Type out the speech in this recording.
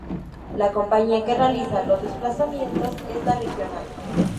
La compañía que realiza los desplazamientos es "La Regional".